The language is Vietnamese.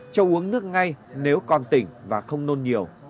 cho uống nước ngay nếu còn tỉnh và không nôn nhiều